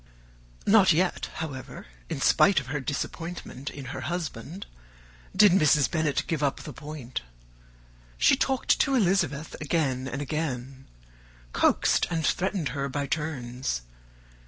Not yet, however, in spite of her disappointment in her husband, did Mrs. Bennet give up the point. She talked to Elizabeth again and again; coaxed and threatened her by turns.